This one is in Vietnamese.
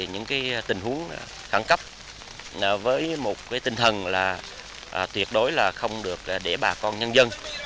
những tình huống khẳng cấp với một tinh thần là tuyệt đối là không được để bà con nhân dân